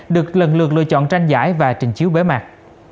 được lần lượt lựa chọn tranh giải và trình chiếu bế mạc